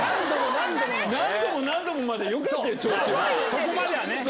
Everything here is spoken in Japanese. そこまではね。